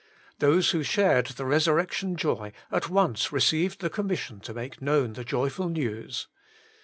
Those who shared the resurrection joy at once received the commission to make known the joyful news.